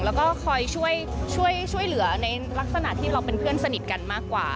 แล้วก็คอยช่วยเหลือในลักษณะที่เราเป็นเพื่อนสนิทกันมากกว่า